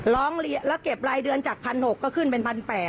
ร้องเรียนแล้วเก็บรายเดือนจาก๑๖๐๐ก็ขึ้นเป็น๑๘๐๐